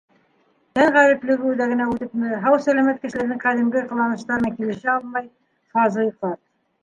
Тән ғәриплеге үҙәгенә үтепме, һау-сәләмәт кешеләрҙең ҡәҙимге ҡыланыштары менән килешә алмай Фазый ҡарт.